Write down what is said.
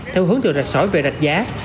theo hướng thường rạch sỏi về rạch giá